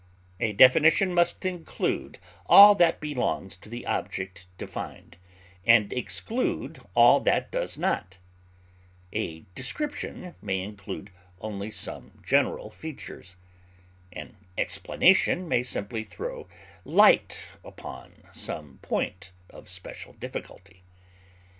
A definition must include all that belongs to the object defined, and exclude all that does not; a description may include only some general features; an explanation may simply throw light upon some point of special difficulty.